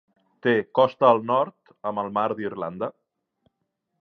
Té costa al nord, amb el Mar d'Irlanda.